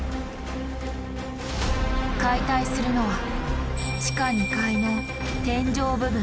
解体するのは地下２階の天井部分。